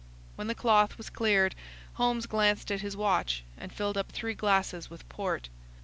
When the cloth was cleared, Holmes glanced at his watch, and filled up three glasses with port.